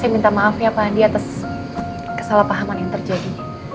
saya minta maaf ya pak andi atas kesalahpahaman yang terjadi